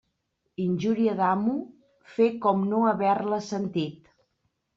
Injúria d'amo, fer com no haver-la sentit.